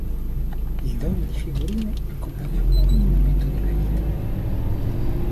Il dono di figurine accompagnava ogni momento della vita.